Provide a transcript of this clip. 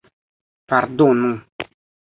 Pardonu!